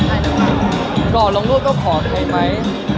บ๊วยว่าก่อนลงโลกก็ขอใครไหม